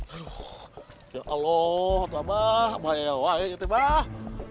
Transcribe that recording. aduh ya allah tuh abah mah ya wah ya tuh mah